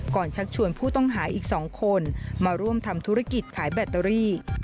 ชักชวนผู้ต้องหาอีก๒คนมาร่วมทำธุรกิจขายแบตเตอรี่